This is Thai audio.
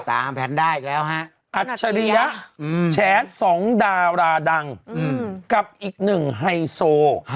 ทางถามแพนได้อีกแล้วครับอัจฉริยะแฉ่๒ดาราดังกับอีกหนึ่งไฮโซ